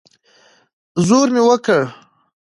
زور مې وکړ.